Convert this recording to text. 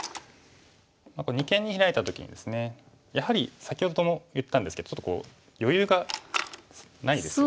二間にヒラいた時にですねやはり先ほども言ったんですけど余裕がないですよね。